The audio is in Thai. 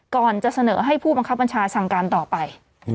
ก่อนจะเสนอให้ผู้บังคับบัญชาสั่งการต่อไป